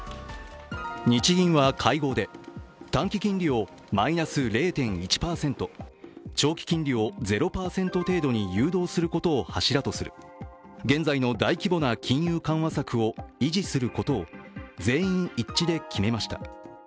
日銀は会合で、短期金利をマイナス０．１％、長期金利を０％程度に誘導することを柱とする現在の大規模な金融緩和策を維持することを全員一致で決めました。